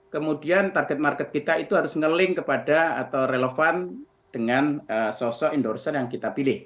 kemudian target market kita itu harus nge link kepada atau relevan dengan sosok endorser yang kita pilih